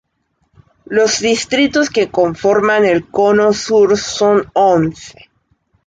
Los distritos que conforman el Cono Sur son once.